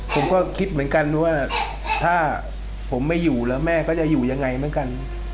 ผมก็คิดเหมือนกันว่าถ้าผมไม่อยู่แล้วแม่ก็จะอยู่ยังไงเหมือนกัน